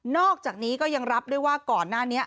อกจากนี้ก็ยังรับด้วยว่าก่อนหน้านี้